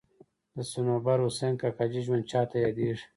د صنوبر حسین کاکاجي ژوند چاته یادېږي.